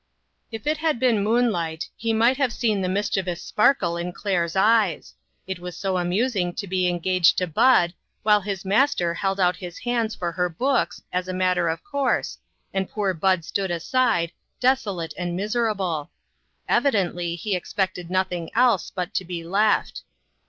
If it had been moonlight, he might have seen the mischievous sparkle in Claire's eyes. It was so amusing to be engaged to Bud, while his master held out his hands for her books, as a matter of course, and poor Bud stood aside, desolate and miserable. Evidently he expected nothing else but to be left.